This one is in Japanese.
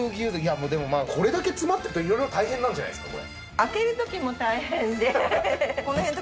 これだけ詰まってるといろいろ大変なんじゃないですか？